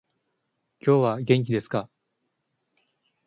今日は元気ですか？